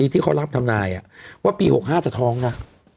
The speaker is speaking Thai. ที่เขารับคำนาญอ่ะว่าปีหกห้าจะท้องนะ